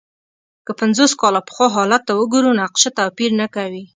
که پنځوس کاله پخوا حالت ته وګورو، نقشه توپیر نه کوي.